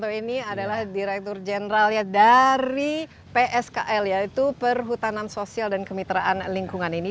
pak bambang adalah direktur jeneral dari pskl yaitu perhutanan sosial dan kemitraan lingkungan ini